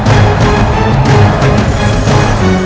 selasi selasi bangun